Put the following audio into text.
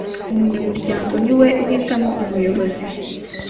Umunyamuryango niwe uhitamo umuyobozi.